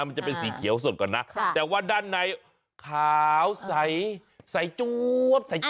มันจะเป็นสีเขียวสดก่อนนะแต่ว่าด้านในขาวใสจวบใส่